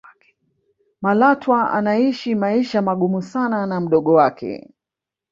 malatwa anaisha maisha magumu sana na mdogo wake